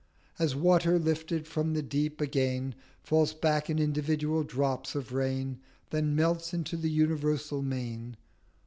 As Water lifted from the Deep, again Falls back in individual Drops of Rain 1410 Then melts into the Universal Main.